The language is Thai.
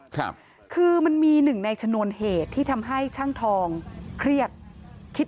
ครับคือมันมีหนึ่งในชนวนเหตุที่ทำให้ช่างทองเครียดคิด